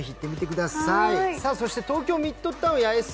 東京ミッドタウン八重洲